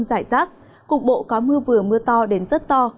trong ba ngày tới đều có mưa rông rải rác cục bộ có mưa vừa mưa to đến rất to